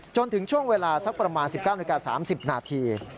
จนถึงช่วงเวลาสักประมาณ๑๙นาที๓๐นาที